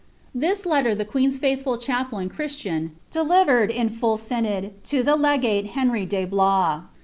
This letter the queen's faithful chaplain. Christian, delivered, in M synod, lo the legale Henry de Bloia.